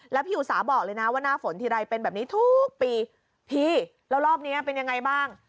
แล้วพี่อุตสาหอกเลยนะว่าหน้าฝนทีไรเป็นแบบนี้ทุกปีพี่แล้วรอบนี้เป็นยังไงบ้าง